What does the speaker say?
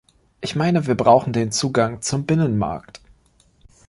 Ich meine, wir brauchen den Zugang zum Binnenmarkt.